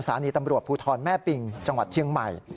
สถานีตำรวจภูทรแม่ปิงจังหวัดเชียงใหม่